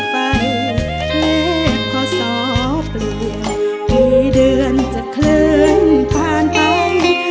เพราะพ่อซ้อเปลี่ยนปีเดือนจะเคลื่อนผ่านไป